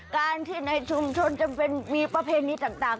การที่ในชุมชนจำเป็นมีประเพณีต่าง